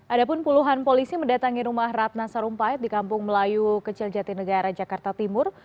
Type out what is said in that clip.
ada pun puluhan polisi mendatangi rumah ratna sarumpait di kampung melayu kecil jatinegara jakarta timur